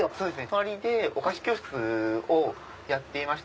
隣でお菓子教室をやってまして。